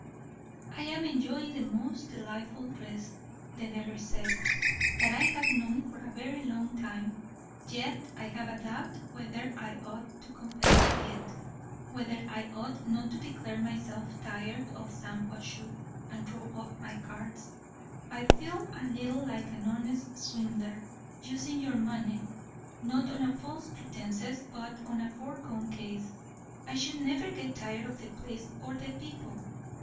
"I am enjoying the most delightful rest," the letter said, "that I have known for a very long time; yet I have a doubt whether I ought to confess it; whether I ought not to declare myself tired of Shampuashuh, and throw up my cards. I feel a little like an honest swindler, using your money, not on false pretences, but on a foregone case. I should never get tired of the place or the people.